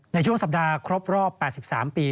ในช่วงสัปดาห์ครบรอบ๘๓ปี